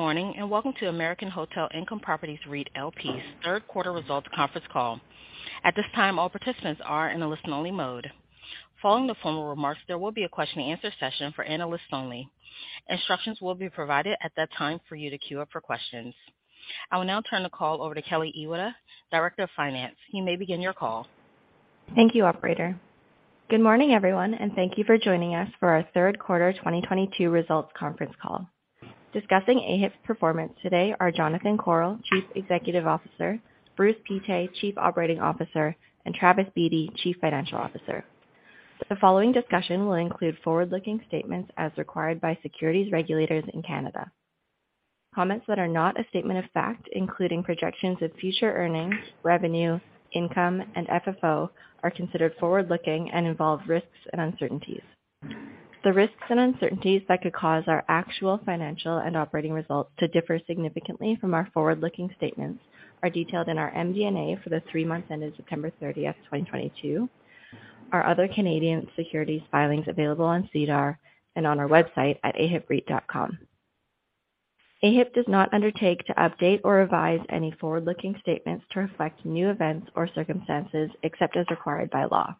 Good morning, and welcome to American Hotel Income Properties REIT LP's third quarter results conference call. At this time, all participants are in a listen-only mode. Following the formal remarks, there will be a question-and-answer session for analysts only. Instructions will be provided at that time for you to queue up for questions. I will now turn the call over to Kelly Iwata, Director of Finance. You may begin your call. Thank you, operator. Good morning, everyone, and thank you for joining us for our third quarter 2022 results conference call. Discussing AHIP's performance today are Jonathan Korol, Chief Executive Officer, Bruce Pittet, Chief Operating Officer, and Travis Beatty, Chief Financial Officer. The following discussion will include forward-looking statements as required by securities regulators in Canada. Comments that are not a statement of fact, including projections of future earnings, revenue, income, and FFO are considered forward-looking and involve risks and uncertainties. The risks and uncertainties that could cause our actual financial and operating results to differ significantly from our forward-looking statements are detailed in our MD&A for the three months ended September 30, 2022, our other Canadian securities filings available on SEDAR and on our website at ahipreit.com. AHIP does not undertake to update or revise any forward-looking statements to reflect new events or circumstances except as required by law.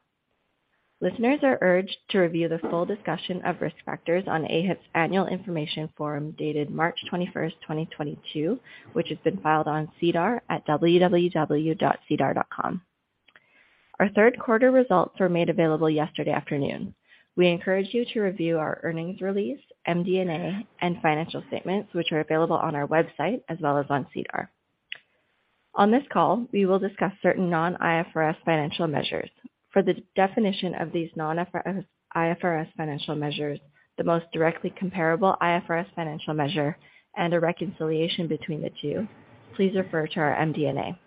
Listeners are urged to review the full discussion of risk factors on AHIP's annual information form dated March 21, 2022, which has been filed on SEDAR at www.sedar.com. Our third quarter results were made available yesterday afternoon. We encourage you to review our earnings release, MD&A, and financial statements, which are available on our website as well as on SEDAR. On this call, we will discuss certain non-IFRS financial measures. For the definition of these non-IFRS, IFRS financial measures, the most directly comparable IFRS financial measure and a reconciliation between the two, please refer to our MD&A.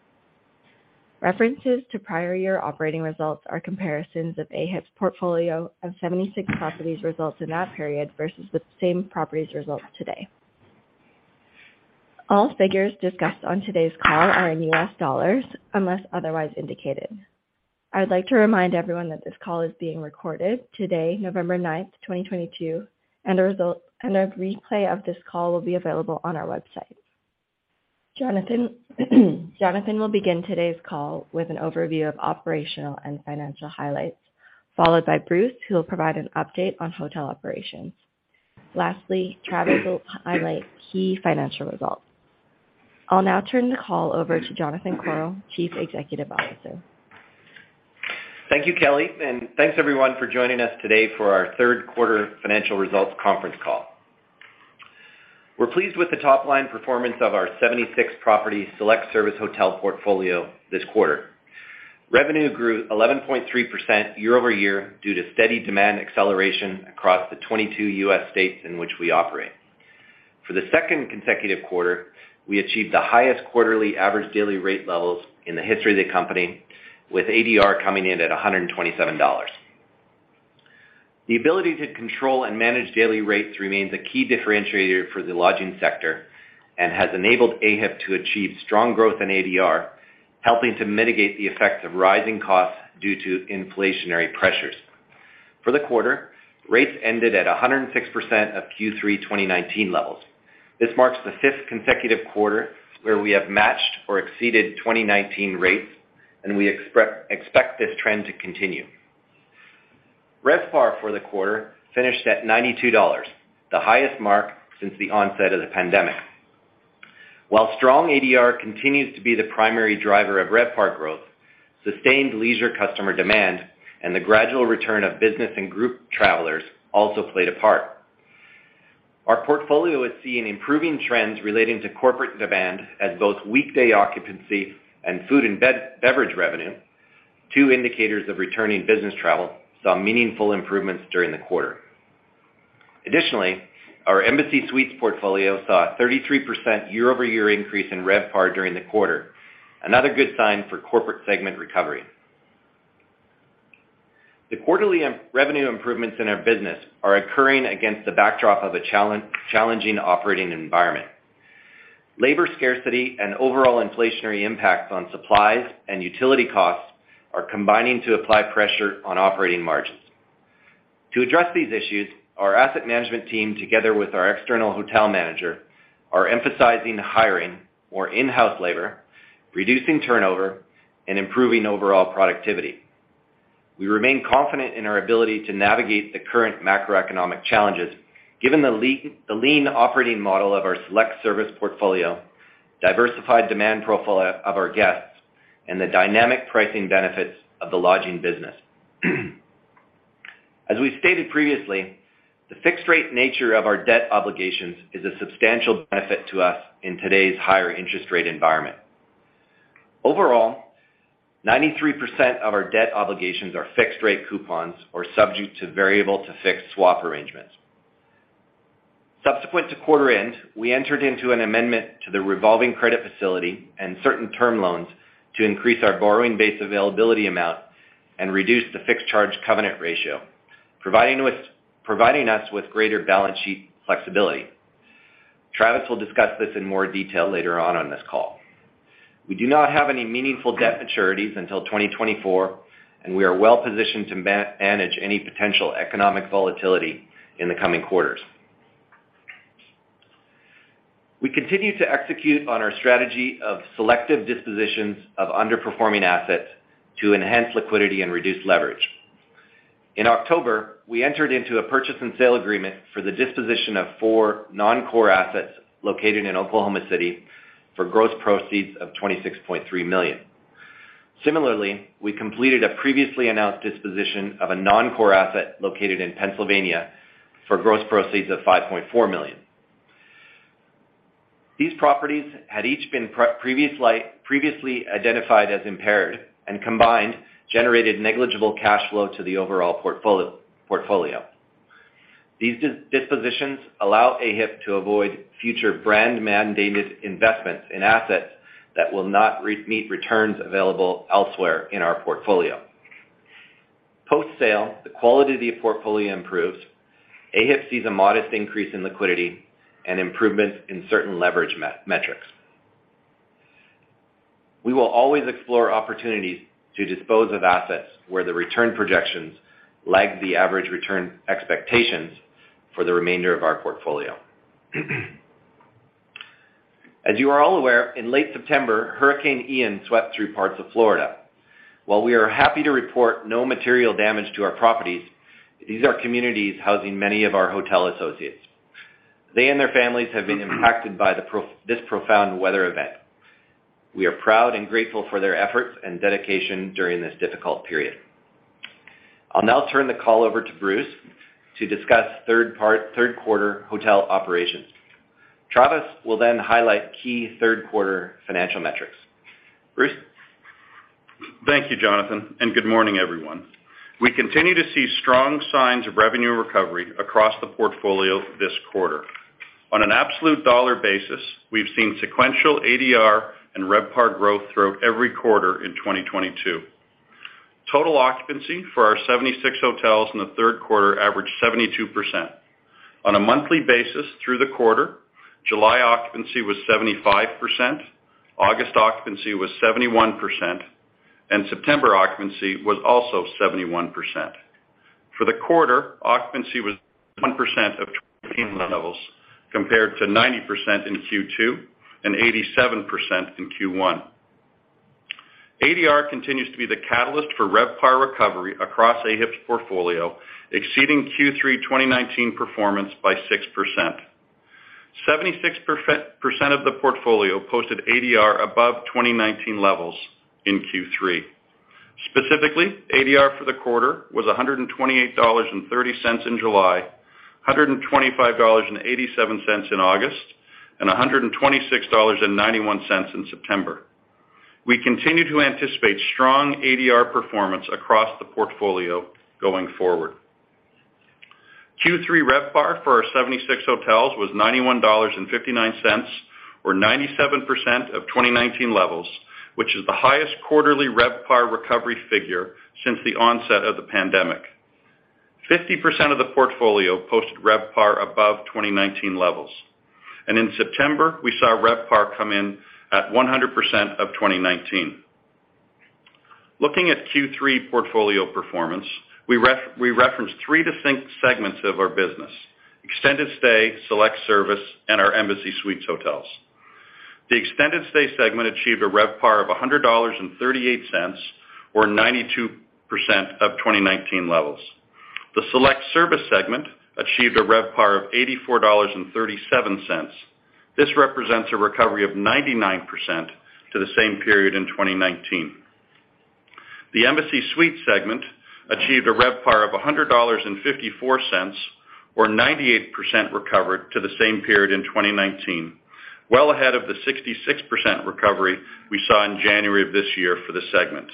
References to prior year operating results are comparisons of AHIP's portfolio of 76 properties results in that period versus the same properties results today. All figures discussed on today's call are in U.S. dollars unless otherwise indicated. I would like to remind everyone that this call is being recorded today, November 9, 2022, and a replay of this call will be available on our website. Jonathan will begin today's call with an overview of operational and financial highlights, followed by Bruce, who will provide an update on hotel operations. Lastly, Travis will highlight key financial results. I'll now turn the call over to Jonathan Korol, Chief Executive Officer. Thank you, Kelly, and thanks everyone for joining us today for our third quarter financial results conference call. We're pleased with the top-line performance of our 76-property Select-Service hotel portfolio this quarter. Revenue grew 11.3% year-over-year due to steady demand acceleration across the 22 U.S. states in which we operate. For the second consecutive quarter, we achieved the highest quarterly average daily rate levels in the history of the company, with ADR coming in at $127. The ability to control and manage daily rates remains a key differentiator for the lodging sector and has enabled AHIP to achieve strong growth in ADR, helping to mitigate the effects of rising costs due to inflationary pressures. For the quarter, rates ended at 106% of Q3 2019 levels. This marks the 5th consecutive quarter where we have matched or exceeded 2019 rates, and we expect this trend to continue. RevPAR for the quarter finished at $92, the highest mark since the onset of the pandemic. While strong ADR continues to be the primary driver of RevPAR growth, sustained leisure customer demand and the gradual return of business and group travelers also played a part. Our portfolio is seeing improving trends relating to corporate demand as both weekday occupancy and food and beverage revenue, two indicators of returning business travel, saw meaningful improvements during the quarter. Additionally, our Embassy Suites portfolio saw a 33% year-over-year increase in RevPAR during the quarter, another good sign for corporate segment recovery. The quarterly revenue improvements in our business are occurring against the backdrop of a challenging operating environment. Labor scarcity and overall inflationary impacts on supplies and utility costs are combining to apply pressure on operating margins. To address these issues, our asset management team, together with our external hotel manager, are emphasizing hiring more in-house labor, reducing turnover, and improving overall productivity. We remain confident in our ability to navigate the current macroeconomic challenges given the lean operating model of our Select-Service portfolio, diversified demand profile of our guests, and the dynamic pricing benefits of the lodging business. As we stated previously, the fixed rate nature of our debt obligations is a substantial benefit to us in today's higher interest rate environment. Overall, 93% of our debt obligations are fixed rate coupons or subject to variable to fixed swap arrangements. Subsequent to quarter end, we entered into an amendment to the revolving credit facility and certain term loans to increase our borrowing base availability amount and reduce the fixed charge covenant ratio providing us with greater balance sheet flexibility. Travis will discuss this in more detail later on this call. We do not have any meaningful debt maturities until 2024, and we are well positioned to manage any potential economic volatility in the coming quarters. We continue to execute on our strategy of selective dispositions of underperforming assets to enhance liquidity and reduce leverage. In October, we entered into a purchase and sale agreement for the disposition of four non-core assets located in Oklahoma City for gross proceeds of $26.3 million. Similarly, we completed a previously announced disposition of a non-core asset located in Pennsylvania for gross proceeds of $5.4 million. These properties had each been previously identified as impaired and combined generated negligible cash flow to the overall portfolio. These dispositions allow AHIP to avoid future brand-mandated investments in assets that will not meet returns available elsewhere in our portfolio. Post-sale, the quality of the portfolio improves. AHIP sees a modest increase in liquidity and improvements in certain leverage metrics. We will always explore opportunities to dispose of assets where the return projections lag the average return expectations for the remainder of our portfolio. As you are all aware, in late September, Hurricane Ian swept through parts of Florida. While we are happy to report no material damage to our properties, these are communities housing many of our hotel associates. They and their families have been impacted by this profound weather event. We are proud and grateful for their efforts and dedication during this difficult period. I'll now turn the call over to Bruce to discuss third quarter hotel operations. Travis will then highlight key third quarter financial metrics. Bruce? Thank you, Jonathan, and good morning, everyone. We continue to see strong signs of revenue recovery across the portfolio this quarter. On an absolute dollar basis, we've seen sequential ADR and RevPAR growth throughout every quarter in 2022. Total occupancy for our 76 hotels in the third quarter averaged 72%. On a monthly basis through the quarter, July occupancy was 75%, August occupancy was 71%, and September occupancy was also 71%. For the quarter, occupancy was 1% of 2019 levels, compared to 90% in Q2 and 87% in Q1. ADR continues to be the catalyst for RevPAR recovery across AHIP's portfolio, exceeding Q3 2019 performance by 6%. 76% of the portfolio posted ADR above 2019 levels in Q3. Specifically, ADR for the quarter was $128.30 in July, $125.87 in August, and $126.91 in September. We continue to anticipate strong ADR performance across the portfolio going forward. Q3 RevPAR for our 76 hotels was $91.59, or 97% of 2019 levels, which is the highest quarterly RevPAR recovery figure since the onset of the pandemic. 50% of the portfolio posted RevPAR above 2019 levels. In September, we saw RevPAR come in at 100% of 2019. Looking at Q3 portfolio performance, we reference three distinct segments of our business, Extended Stay, Select-Service, and our Embassy Suites Hotels. The Extended Stay segment achieved a RevPAR of $100.38 or 92% of 2019 levels. The Select-Service segment achieved a RevPAR of $84.37. This represents a recovery of 99% to the same period in 2019. The Embassy Suites segment achieved a RevPAR of $100.54 or 98% recovery to the same period in 2019. Well ahead of the 66% recovery we saw in January of this year for the segment.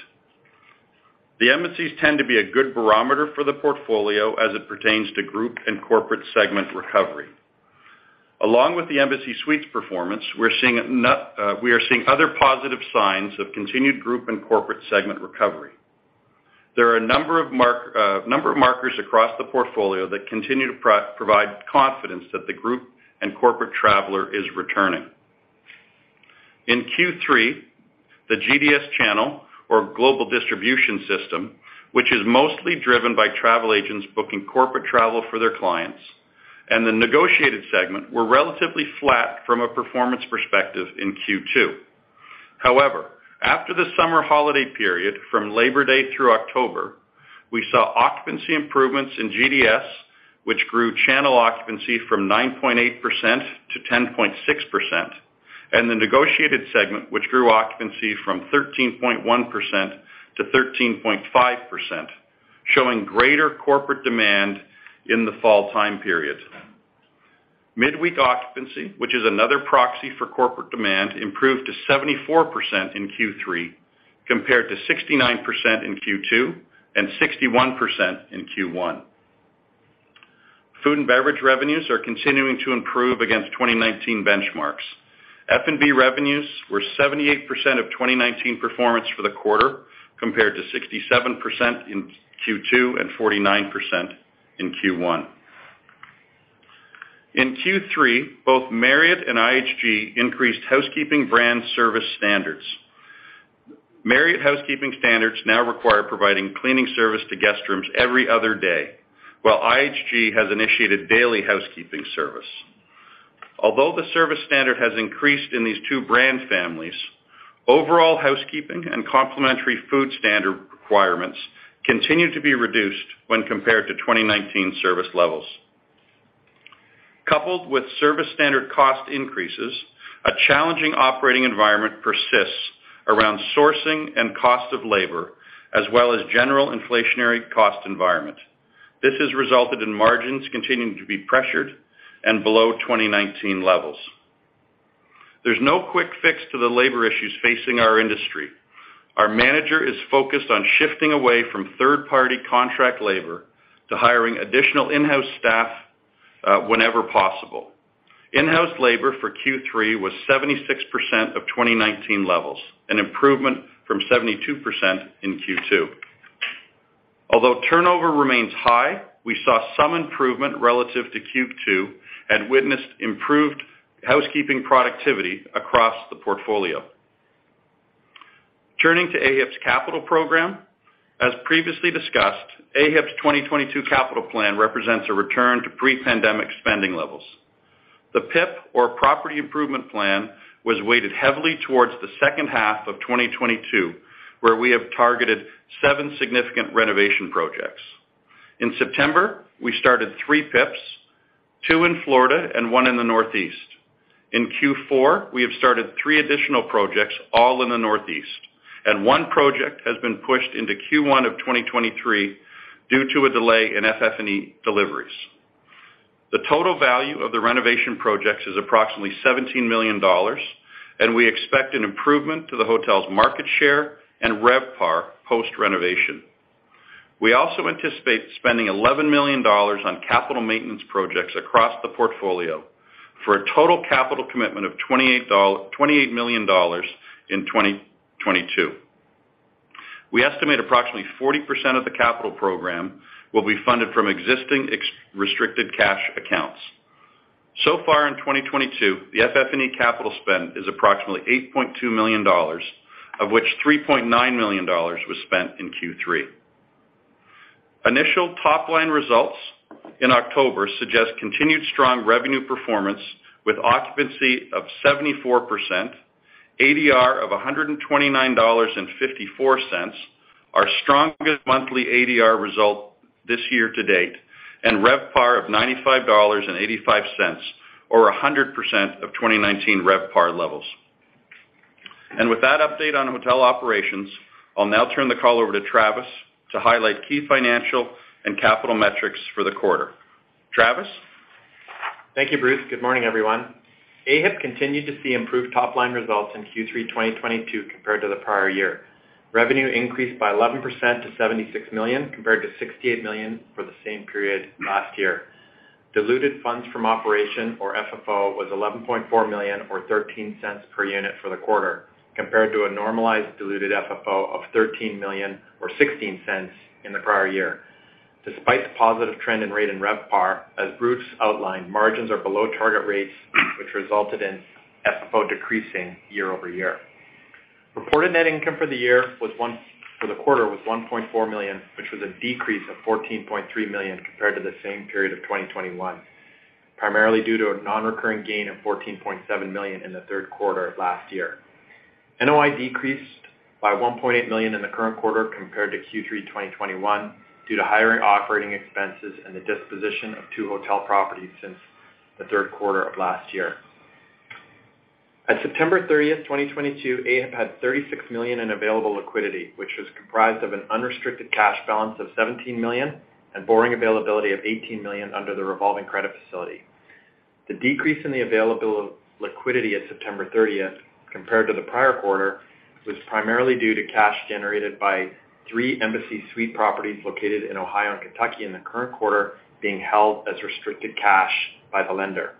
The Embassies tend to be a good barometer for the portfolio as it pertains to group and corporate segment recovery. Along with the Embassy Suites performance, we are seeing other positive signs of continued group and corporate segment recovery. There are a number of markers across the portfolio that continue to provide confidence that the group and corporate traveler is returning. In Q3, the GDS channel or global distribution system, which is mostly driven by travel agents booking corporate travel for their clients, and the negotiated segment were relatively flat from a performance perspective in Q2. However, after the summer holiday period from Labor Day through October, we saw occupancy improvements in GDS, which grew channel occupancy from 9.8% to 10.6%, and the negotiated segment, which grew occupancy from 13.1% to 13.5%, showing greater corporate demand in the fall time period. Midweek occupancy, which is another proxy for corporate demand, improved to 74% in Q3, compared to 69% in Q2 and 61% in Q1. Food and beverage revenues are continuing to improve against 2019 benchmarks. F&B revenues were 78% of 2019 performance for the quarter, compared to 67% in Q2 and 49% in Q1. In Q3, both Marriott and IHG increased housekeeping brand service standards. Marriott housekeeping standards now require providing cleaning service to guest rooms every other day, while IHG has initiated daily housekeeping service. Although the service standard has increased in these two brand families, overall housekeeping and complimentary food standard requirements continue to be reduced when compared to 2019 service levels. Coupled with service standard cost increases, a challenging operating environment persists around sourcing and cost of labor, as well as general inflationary cost environment. This has resulted in margins continuing to be pressured and below 2019 levels. There's no quick fix to the labor issues facing our industry. Our manager is focused on shifting away from third-party contract labor to hiring additional in-house staff, whenever possible. In-house labor for Q3 was 76% of 2019 levels, an improvement from 72% in Q2. Although turnover remains high, we saw some improvement relative to Q2 and witnessed improved housekeeping productivity across the portfolio. Turning to AHIP's capital program. As previously discussed, AHIP's 2022 capital plan represents a return to pre-pandemic spending levels. The PIP, or Property Improvement Plan, was weighted heavily towards the second half of 2022, where we have targeted seven significant renovation projects. In September, we started three PIPs, two in Florida and one in the Northeast. In Q4, we have started three additional projects, all in the Northeast, and one project has been pushed into Q1 of 2023 due to a delay in FF&E deliveries. The total value of the renovation projects is approximately $17 million, and we expect an improvement to the hotel's market share and RevPAR post-renovation. We also anticipate spending $11 million on capital maintenance projects across the portfolio for a total capital commitment of $28 million in 2022. We estimate approximately 40% of the capital program will be funded from existing restricted cash accounts. So far in 2022, the FF&E capital spend is approximately $8.2 million, of which $3.9 million was spent in Q3. Initial top-line results in October suggest continued strong revenue performance with occupancy of 74%, ADR of $129.54, our strongest monthly ADR result this year to date, and RevPAR of $95.85, or 100% of 2019 RevPAR levels. With that update on hotel operations, I'll now turn the call over to Travis to highlight key financial and capital metrics for the quarter. Travis? Thank you, Bruce. Good morning, everyone. AHIP continued to see improved top-line results in Q3 2022 compared to the prior year. Revenue increased by 11% to $76 million, compared to $68 million for the same period last year. Diluted funds from operations, or FFO, was $11.4 million or $0.13 per unit for the quarter, compared to a normalized diluted FFO of $13 million or $0.16 in the prior year. Despite the positive trend in rate and RevPAR, as Bruce outlined, margins are below target rates, which resulted in FFO decreasing year-over-year. Reported net income for the quarter was $1.4 million, which was a decrease of $14.3 million compared to the same period of 2021, primarily due to a non-recurring gain of $14.7 million in the third quarter of last year. NOI decreased by $1.8 million in the current quarter compared to Q3 2021 due to higher operating expenses and the disposition of two hotel properties since the third quarter of last year. At September 30th, 2022, AHIP had $36 million in available liquidity, which was comprised of an unrestricted cash balance of $17 million and borrowing availability of $18 million under the revolving credit facility. The decrease in the available liquidity at September 30th compared to the prior quarter was primarily due to cash generated by three Embassy Suites properties located in Ohio and Kentucky in the current quarter being held as restricted cash by the lender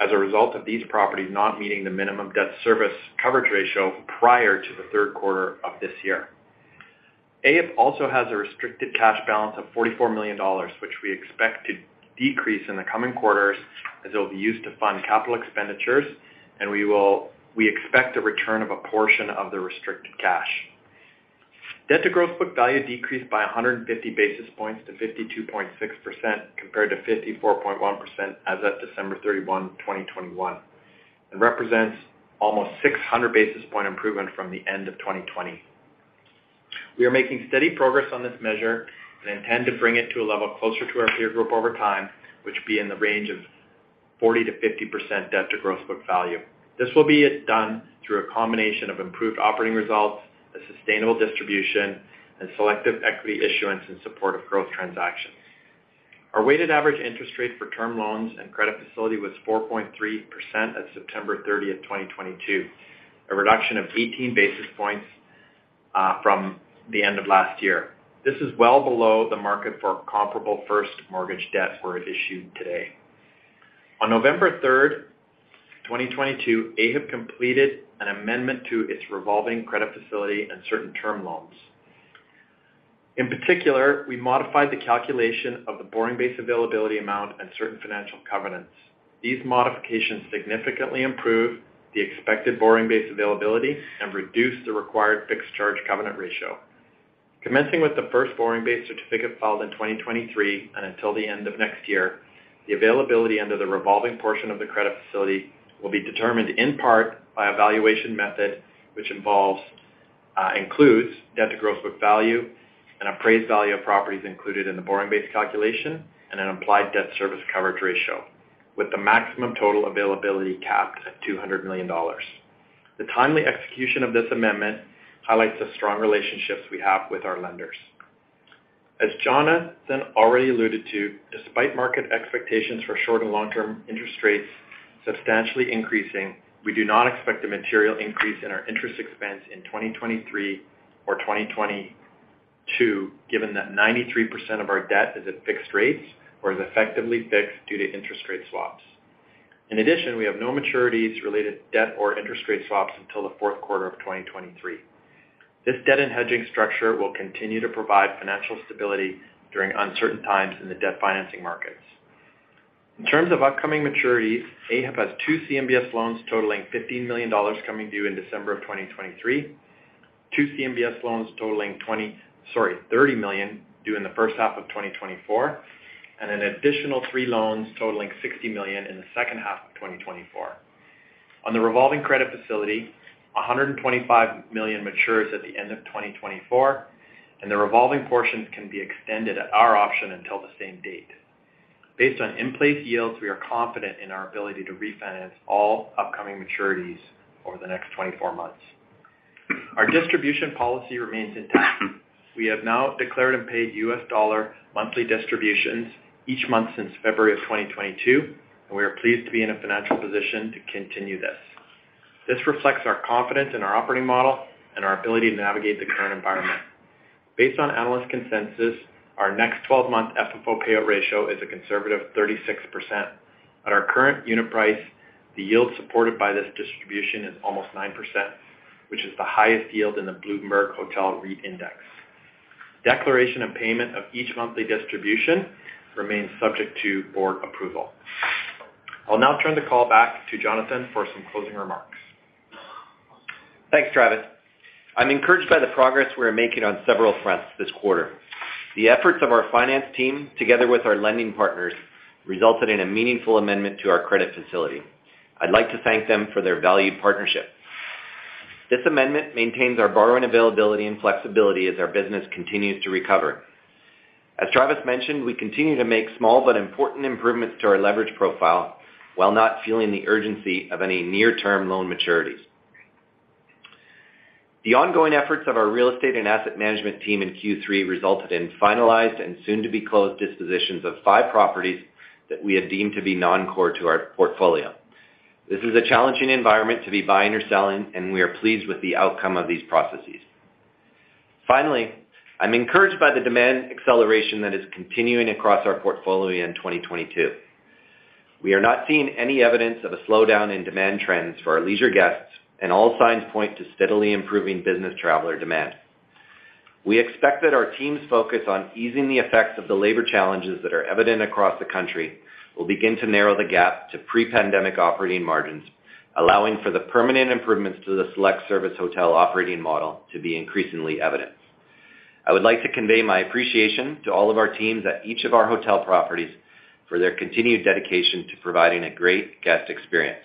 as a result of these properties not meeting the minimum debt service coverage ratio prior to the third quarter of this year. AHIP also has a restricted cash balance of $44 million, which we expect to decrease in the coming quarters as it will be used to fund capital expenditures, we expect a return of a portion of the restricted cash. Debt to gross book value decreased by 150 basis points to 52.6% compared to 54.1% as of December 31, 2021 and represents almost 600 basis point improvement from the end of 2020. We are making steady progress on this measure and intend to bring it to a level closer to our peer group over time, which will be in the range of 40%-50% debt to gross book value. This will be done through a combination of improved operating results, a sustainable distribution, and selective equity issuance in support of growth transactions. Our weighted average interest rate for term loans and credit facility was 4.3% at September 30, 2022, a reduction of 18 basis points from the end of last year. This is well below the market for comparable first mortgage debt we're issuing today. On November 3, 2022, AHIP completed an amendment to its revolving credit facility and certain term loans. In particular, we modified the calculation of the borrowing base availability amount and certain financial covenants. These modifications significantly improve the expected borrowing base availability and reduce the required fixed charge covenant ratio. Commencing with the first borrowing base certificate filed in 2023 and until the end of next year, the availability under the revolving portion of the credit facility will be determined in part by a valuation method which involves, includes debt to gross book value and appraised value of properties included in the borrowing base calculation, and an implied debt service coverage ratio, with the maximum total availability capped at $200 million. The timely execution of this amendment highlights the strong relationships we have with our lenders. As Jonathan already alluded to, despite market expectations for short and long-term interest rates substantially increasing, we do not expect a material increase in our interest expense in 2023 or 2022, given that 93% of our debt is at fixed rates or is effectively fixed due to interest rate swaps. In addition, we have no maturities-related debt or interest rate swaps until the fourth quarter of 2023. This debt and hedging structure will continue to provide financial stability during uncertain times in the debt financing markets. In terms of upcoming maturities, AHIP has two CMBS loans totaling $15 million coming due in December 2023, 2 CMBS loans totaling $30 million due in the first half of 2024, and an additional three loans totaling $60 million in the second half of 2024. On the revolving credit facility, $125 million matures at the end of 2024, and the revolving portions can be extended at our option until the same date. Based on in-place yields, we are confident in our ability to refinance all upcoming maturities over the next 24 months. Our distribution policy remains intact. We have now declared and paid U.S. dollar monthly distributions each month since February of 2022, and we are pleased to be in a financial position to continue this. This reflects our confidence in our operating model and our ability to navigate the current environment. Based on analyst consensus, our next 12-month FFO payout ratio is a conservative 36%. At our current unit price, the yield supported by this distribution is almost 9%, which is the highest yield in the Bloomberg Hotel REIT Index. Declaration and payment of each monthly distribution remains subject to board approval. I'll now turn the call back to Jonathan for some closing remarks. Thanks, Travis. I'm encouraged by the progress we are making on several fronts this quarter. The efforts of our finance team, together with our lending partners, resulted in a meaningful amendment to our credit facility. I'd like to thank them for their valued partnership. This amendment maintains our borrowing availability and flexibility as our business continues to recover. As Travis mentioned, we continue to make small but important improvements to our leverage profile while not feeling the urgency of any near-term loan maturities. The ongoing efforts of our real estate and asset management team in Q3 resulted in finalized and soon-to-be-closed dispositions of five properties that we have deemed to be non-core to our portfolio. This is a challenging environment to be buying or selling, and we are pleased with the outcome of these processes. Finally, I'm encouraged by the demand acceleration that is continuing across our portfolio in 2022. We are not seeing any evidence of a slowdown in demand trends for our leisure guests, and all signs point to steadily improving business traveler demand. We expect that our team's focus on easing the effects of the labor challenges that are evident across the country will begin to narrow the gap to pre-pandemic operating margins, allowing for the permanent improvements to the Select-Service hotel operating model to be increasingly evident. I would like to convey my appreciation to all of our teams at each of our hotel properties for their continued dedication to providing a great guest experience.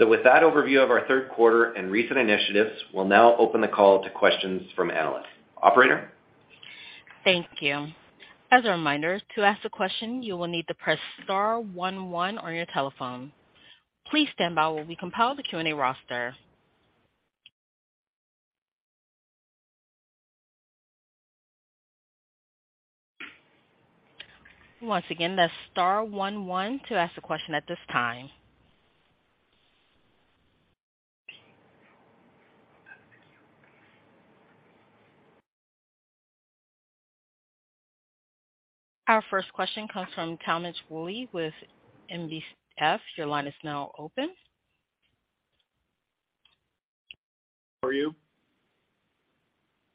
With that overview of our third quarter and recent initiatives, we'll now open the call to questions from analysts. Operator? Thank you. As a reminder, to ask a question, you will need to press star one one on your telephone. Please stand by while we compile the Q&A roster. Once again, that's star one one to ask a question at this time. Our first question comes from Tal Woolley with National Bank Financial. Your line is now open. How are you?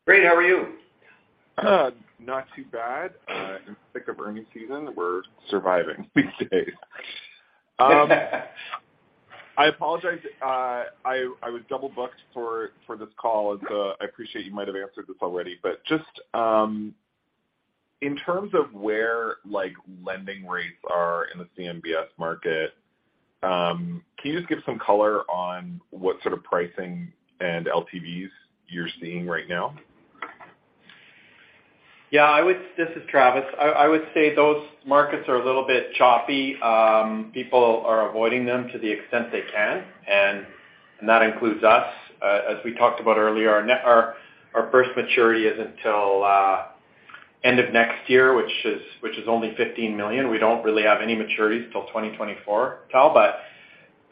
Great. How are you? Not too bad. In the thick of earnings season. We're surviving these days. I apologize. I was double-booked for this call. I appreciate you might have answered this already. Just, in terms of where, like, lending rates are in the CMBS market, can you just give some color on what sort of pricing and LTVs you're seeing right now? This is Travis. I would say those markets are a little bit choppy. People are avoiding them to the extent they can, and that includes us. As we talked about earlier, our first maturity isn't till end of next year, which is only $15 million. We don't really have any maturities till 2024, Tal.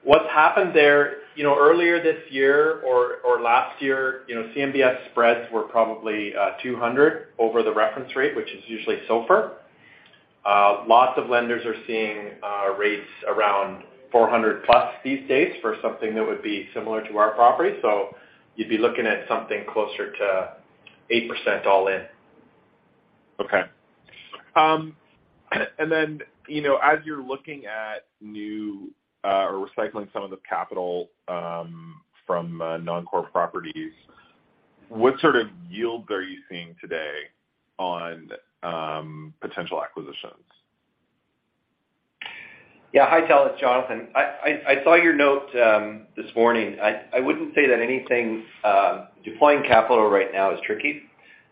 What's happened there, you know, earlier this year or last year, you know, CMBS spreads were probably 200 over the reference rate, which is usually SOFR. Lots of lenders are seeing rates around 400+ these days for something that would be similar to our property. You'd be looking at something closer to 8% all in. Okay. Then, you know, as you're looking at new, or recycling some of the capital, from non-core properties, what sort of yields are you seeing today on potential acquisitions? Yeah. Hi, Tal. It's Jonathan. I saw your note this morning. I wouldn't say that anything deploying capital right now is tricky.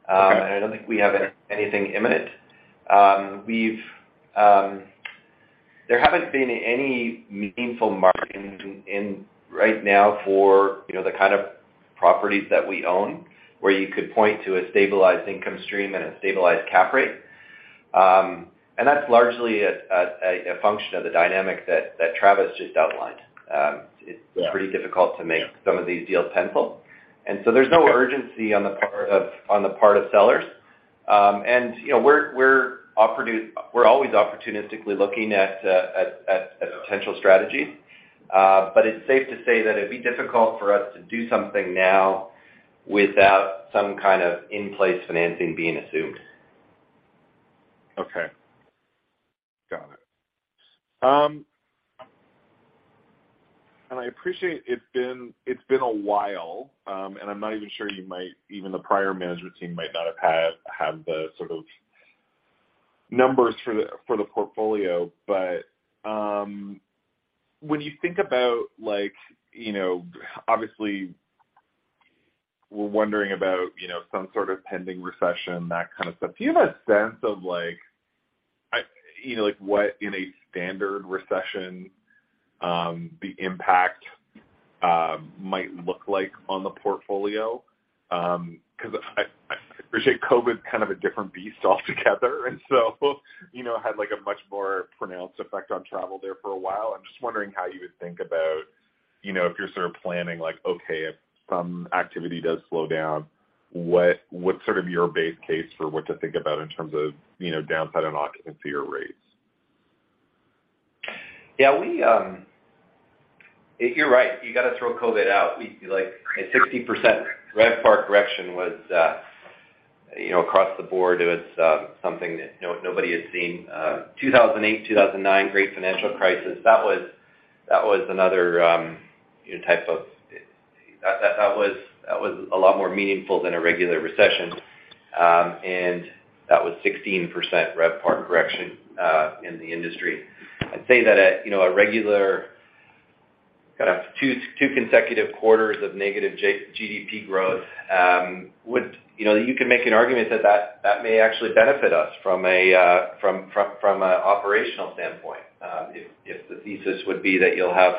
Okay. I don't think we have anything imminent. There haven't been any meaningful margins in right now for, you know, the kind of properties that we own, where you could point to a stabilized income stream and a stabilized cap rate. That's largely a function of the dynamic that Travis just outlined. Yeah. It's pretty difficult to make some of these deals pencil. There's no urgency on the part of sellers. You know, we're always opportunistically looking at potential strategies. It's safe to say that it'd be difficult for us to do something now without some kind of in-place financing being assumed. Okay. Got it. I appreciate it's been a while, and I'm not even sure even the prior management team might not have had the sort of numbers for the portfolio. When you think about like, you know, obviously we're wondering about, you know, some sort of pending recession, that kind of stuff. Do you have a sense of like, you know, like, what in a standard recession the impact might look like on the portfolio? 'Cause I appreciate COVID is kind of a different beast altogether, and so you know had like a much more pronounced effect on travel there for a while. I'm just wondering how you would think about, you know, if you're sort of planning like, okay, if some activity does slow down, what's sort of your base case for what to think about in terms of, you know, downside on occupancy or rates? You're right. You gotta throw COVID out. Like a 60% RevPAR correction was, you know, across the board it was something that nobody has seen. 2008, 2009, Great Financial Crisis, that was another type. That was a lot more meaningful than a regular recession. That was 16% RevPAR correction in the industry. I'd say that, you know, a regular kind of two consecutive quarters of negative GDP growth, you know, you can make an argument that that may actually benefit us from an operational standpoint. If the thesis would be that you'll have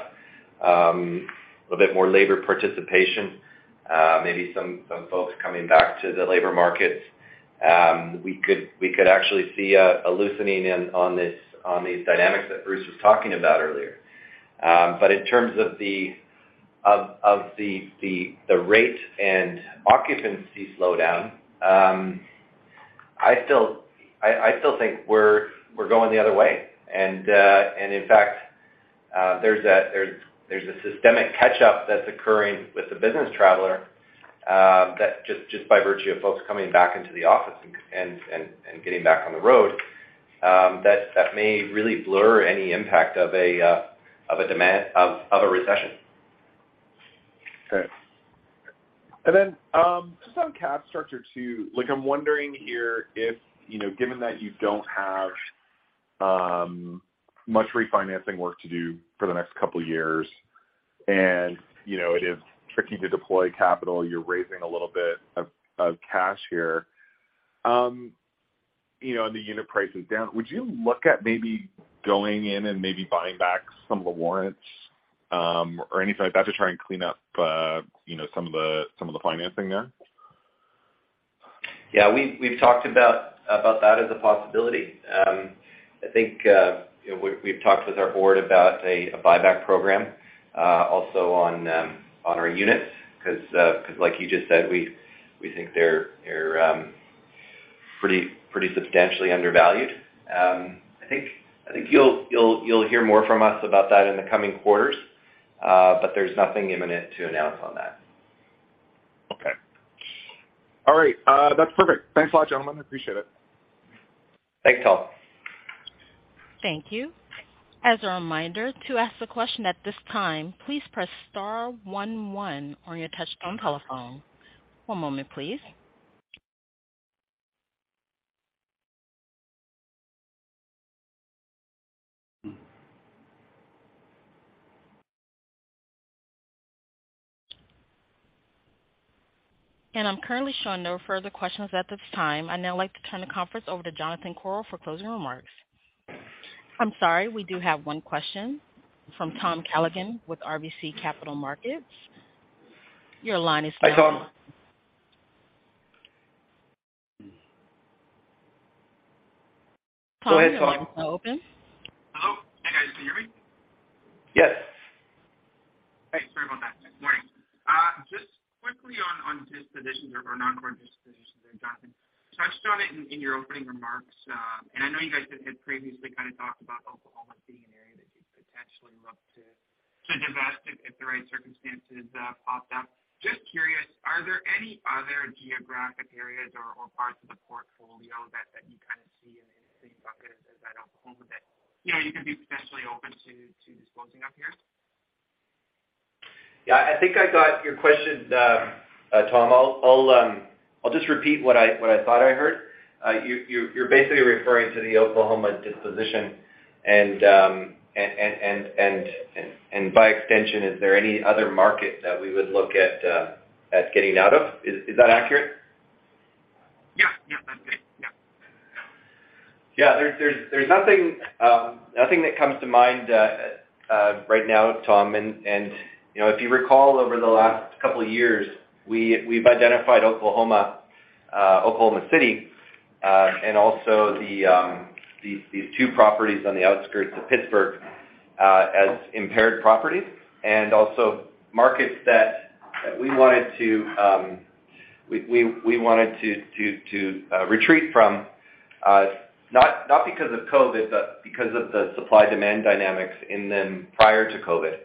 a bit more labor participation, maybe some folks coming back to the labor markets, we could actually see a loosening in these dynamics that Bruce was talking about earlier. In terms of the rate and occupancy slowdown, I still think we're going the other way. In fact, there's a systemic catch-up that's occurring with the business traveler that just by virtue of folks coming back into the office and getting back on the road, that may really blur any impact of a recession. Okay. Just on cap structure too, like I'm wondering here if, you know, given that you don't have much refinancing work to do for the next couple of years and, you know, it is tricky to deploy capital, you're raising a little bit of cash here, you know, and the unit price is down. Would you look at maybe going in and maybe buying back some of the warrants, or anything like that to try and clean up, you know, some of the financing there? Yeah. We've talked about that as a possibility. I think you know, we've talked with our board about a buyback program, also on our units because like you just said, we think they're pretty substantially undervalued. I think you'll hear more from us about that in the coming quarters, but there's nothing imminent to announce on that. Okay. All right. That's perfect. Thanks a lot, gentlemen. I appreciate it. Thanks, Tal. Thank you. As a reminder, to ask a question at this time, please press star one one on your touch-tone telephone. One moment, please. I'm currently showing no further questions at this time. I'd now like to turn the conference over to Jonathan Korol for closing remarks. I'm sorry. We do have one question from Tom Callaghan with RBC Capital Markets. Your line is now open. Hi, Tom. Tom, your line is now open. Go ahead, Tom. Hello? Hey, guys. Can you hear me? Yes. For just Jonathan. I just saw that in your opening remarks, and I know you guys have had previously kind of talked about Oklahoma being an area that you'd potentially look to divest if the right circumstances popped up. Just curious, are there any other geographic areas or parts of the portfolio that you kind of see in the same bucket as Oklahoma that you know you can be potentially open to disposing of here? Yeah, I think I got your question, Tom. I'll just repeat what I thought I heard. You're basically referring to the Oklahoma disposition and by extension, is there any other market that we would look at getting out of? Is that accurate? Yeah. Yeah, that's it. Yeah. Yeah. There's nothing that comes to mind right now, Tom. You know, if you recall over the last couple of years, we've identified Oklahoma City and also these two properties on the outskirts of Pittsburgh as impaired properties and also markets that we wanted to retreat from, not because of COVID, but because of the supply-demand dynamics in them prior to COVID.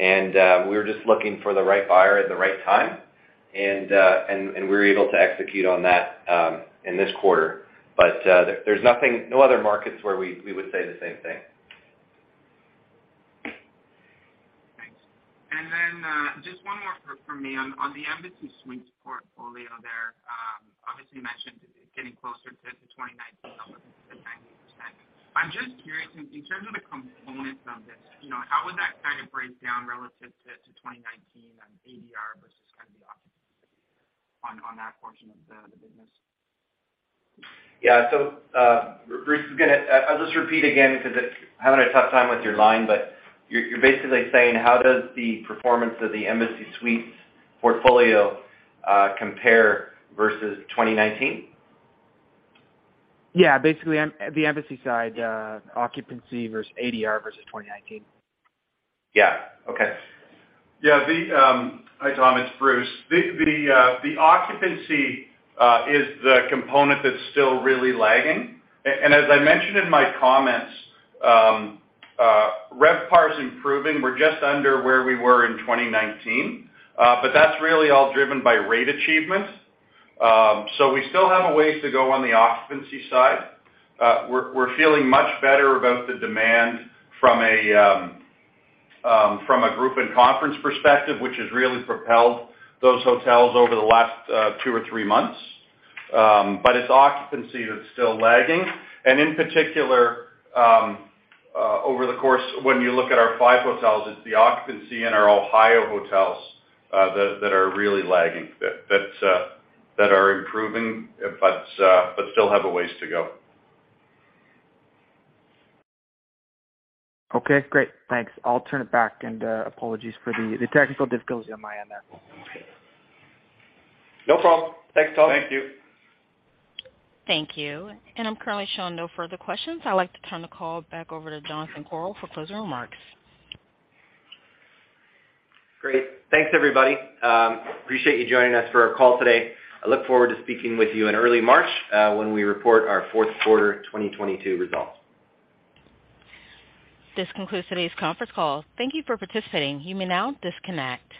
We were just looking for the right buyer at the right time, and we were able to execute on that in this quarter. There's nothing, no other markets where we would say the same thing. Thanks. Just one more from me. On the Embassy Suites portfolio there, obviously you mentioned getting closer to 2019 levels with the 90%. I'm just curious in terms of the components of this, you know, how would that kind of break down relative to 2019 on ADR versus kind of the occupancy on that portion of the business? I'll just repeat again because it's having a tough time with your line, but you're basically saying, how does the performance of the Embassy Suites portfolio compare versus 2019? Yeah. Basically, the Embassy side, occupancy versus ADR versus 2019. Yeah. Okay. Yeah. Hi, Tom, it's Bruce. The occupancy is the component that's still really lagging. As I mentioned in my comments, RevPAR is improving. We're just under where we were in 2019. That's really all driven by rate achievements. We still have a ways to go on the occupancy side. We're feeling much better about the demand from a group and conference perspective, which has really propelled those hotels over the last two or three months. It's occupancy that's still lagging. In particular, over the course, when you look at our five hotels, it's the occupancy in our Ohio hotels that are really lagging. That are improving, but still have a ways to go. Okay, great. Thanks. I'll turn it back and, apologies for the technical difficulty on my end there. No problem. Thanks, Tom. Thank you. Thank you. I'm currently showing no further questions. I'd like to turn the call back over to Jonathan Korol for closing remarks. Great. Thanks, everybody. Appreciate you joining us for our call today. I look forward to speaking with you in early March, when we report our fourth quarter 2022 results. This concludes today's conference call. Thank you for participating. You may now disconnect.